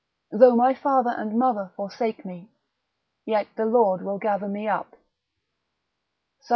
Though my father and mother forsake me, yet the Lord will gather me up, Psal.